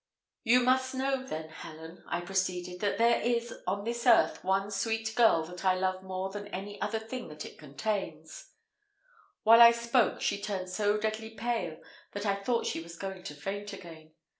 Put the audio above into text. "You must know, then, Helen," I proceeded, "that there is, on this earth, one sweet girl that I love more than any other thing that it contains" while I spoke, she turned so deadly pale, that I thought she was going to faint again.